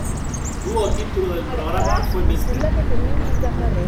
Dúo título del programa fue Mr.